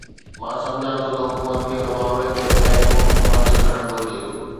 مان سمجهان ٿو ته حڪومت کي ان معاملي ۾ پنهنجو موقف واضح ڪرڻ گهرجي.